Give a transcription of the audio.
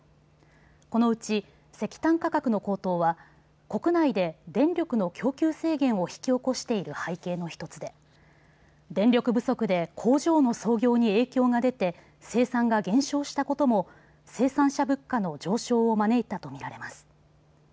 このうち石炭価格の高騰は国内で電力の供給制限を引き起こしている背景の１つで電力不足で工場の操業に影響が出て生産が減少したことも生産者物価の上昇を招いたと見られます。